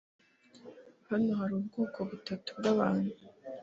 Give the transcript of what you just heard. Hano hari ubwoko butatu bwabantu: